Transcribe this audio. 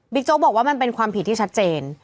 โจ๊กบอกว่ามันเป็นความผิดที่ชัดเจน